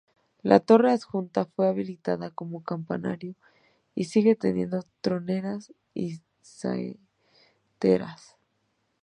La torre adjunta fue habilitada como campanario y sigue teniendo troneras y saeteras.